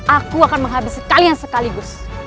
aku akan menghabisi kalian sekaligus